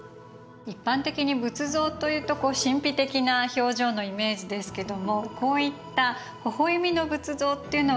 一般的に仏像というとこう神秘的な表情のイメージですけどもこういったほほ笑みの仏像っていうのは親近感が湧きますね。